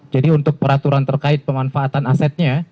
jadi untuk peraturan terkait pemanfaatan asetnya